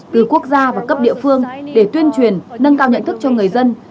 từ quốc gia và cấp địa phương để tuyên truyền nâng cao nhận thức cho người dân